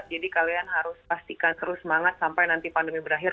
jadi kalian harus pastikan terus semangat sampai nanti pandemi berakhir